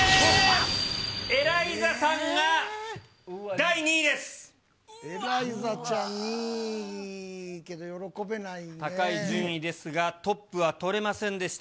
エライザちゃん、高い順位ですが、トップは取れませんでした。